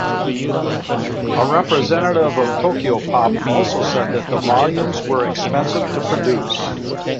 A representative of Tokyopop also said that the volumes were expensive to produce.